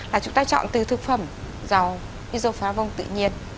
là chúng ta chọn từ thực phẩm dầu isofarvon tự nhiên